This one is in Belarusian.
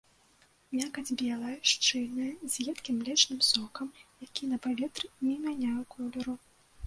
Мякаць белая, шчыльная, з едкім млечным сокам, які на паветры не мяняе колеру.